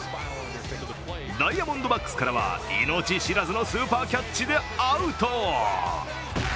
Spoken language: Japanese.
ダイヤモンドバックスからは命知らずのスーパーキャッチでアウト。